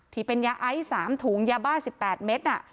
ที่เป็นยาไอซ์๓ถุงยาบ้า๑๘เมตร